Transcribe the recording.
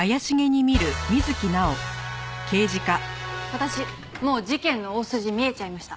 私もう事件の大筋見えちゃいました。